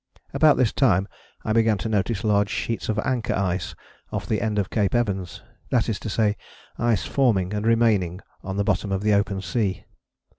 About this time I began to notice large sheets of anchor ice off the end of Cape Evans, that is to say, ice forming and remaining on the bottom of the open sea.